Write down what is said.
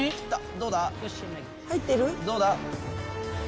どうだ？